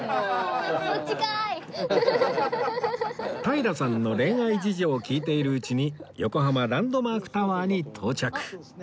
平さんの恋愛事情を聞いているうちに横浜ランドマークタワーに到着